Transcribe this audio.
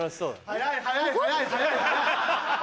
早い早い早い。